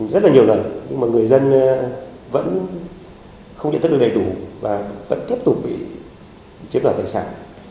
rất là nhiều lần nhưng mà người dân vẫn không nhận thức được đầy đủ và vẫn tiếp tục bị chiếm đoạt tài sản